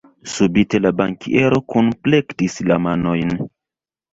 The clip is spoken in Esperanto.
Subite la bankiero kunplektis la manojn.